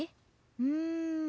うん。